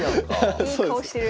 いい顔してる。